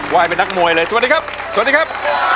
ว่ายไปนักมวยเลยสวัสดีครับ